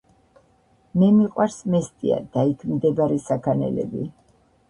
მე მიყვარს მესტია და იქ მდებარე საქანელები